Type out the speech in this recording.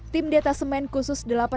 tim detasemen kusuma